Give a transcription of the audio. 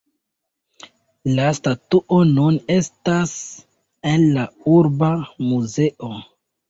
La statuo nun estas en la urba muzeo.